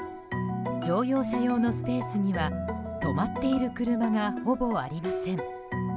乗用車用のスペースには止まっている車がほぼありません。